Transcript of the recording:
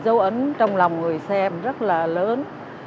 dấu ấn trong lòng người xem rất là lớn